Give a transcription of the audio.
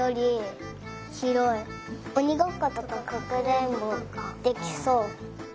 おにごっことかかくれんぼとかできそう。